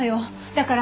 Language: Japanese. だから。